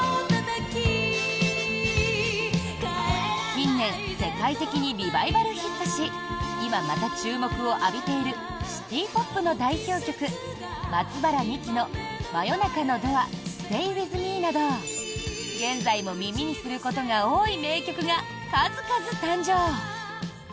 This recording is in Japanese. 近年世界的にリバイバルヒットし今また注目を浴びているシティ・ポップの代表曲松原みきの「真夜中のドアＳｔａｙＷｉｔｈＭｅ」など現在も耳にすることが多い名曲が数々誕生。